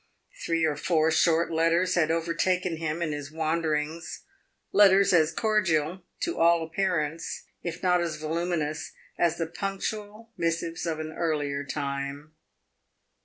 Three or four short letters had overtaken him in his wanderings letters as cordial, to all appearance, if not as voluminous, as the punctual missives of an earlier time.